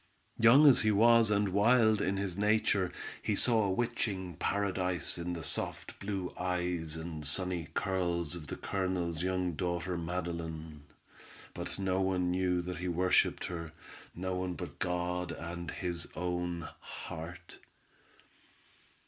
Young as he was and wild in his nature, he saw a witching paradise in the soft blue eyes and sunny curls of the Colonel's young daughter Madeline, but no one knew that he worshiped her, no one but God and his own heart.